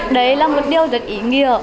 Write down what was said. đấy là một điều rất ý nghĩa